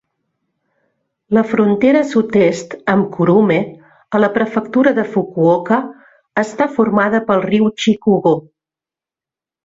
La frontera sud-est amb Kurume, a la prefectura de Fukuoka, està formada pel riu Chikugo.